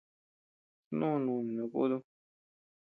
Snú núni no kutum.